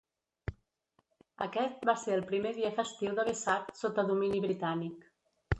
Aquest va ser el primer dia festiu de Vesak sota domini britànic.